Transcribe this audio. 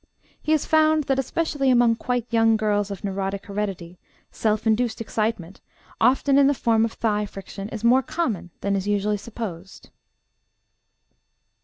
He has found that, especially among quite young girls of neurotic heredity, self induced excitement, often in the form of thigh friction, is more common than is usually supposed.